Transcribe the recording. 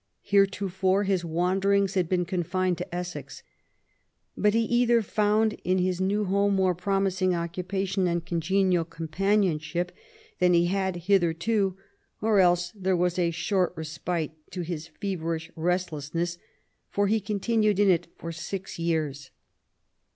Heretofore his wanderings had been con fined to Essex. But he either found in his new home more promising occupation and congenial companion* ship than he had hitherto^ or else there was a short respite to his feverish restlessness^ for he continued in it for six years.